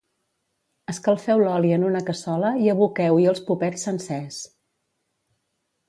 Escalfeu l'oli en una cassola i aboqueu-hi els popets sencers.